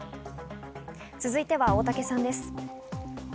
続いては大竹さんです。